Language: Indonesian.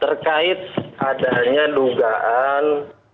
terkait adanya dugaan